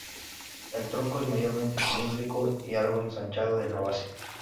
El tronco es mayormente cilíndrico y algo ensanchado en la base.